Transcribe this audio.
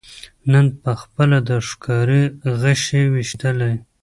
نن پخپله د ښکاري غشي ویشتلی